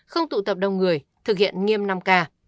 không tụ tập đông người thực hiện nghiêm năm k